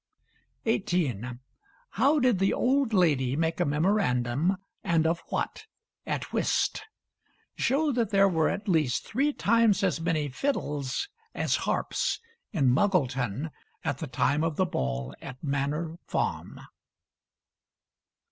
18. How did the old lady make a memorandum, and of what, at whist? Show that there were at least three times as many fiddles as harps in Muggleton at the time of the ball at Manor Farm.